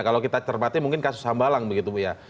kalau kita cerbatin mungkin kasus hambalang begitu ya